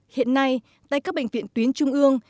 hiện nay tại các bệnh viện tuyến trung ương